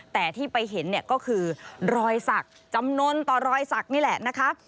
แต่ที่ไปเห็นก็คือรอยศักดิ์จำนวนต่อรอยศักดิ์นี่แหละนะคะ